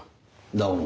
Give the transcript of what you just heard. どうも。